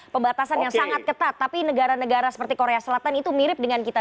pembatasan yang sangat ketat tapi negara negara seperti korea selatan itu mirip dengan kita